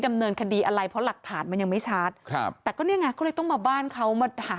ดำเนินคดีเพราะหลักฐานมันยังไม่ชาติเนี่ยต้องมาบ้านเขาหา